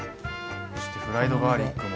そしてフライドガーリックも。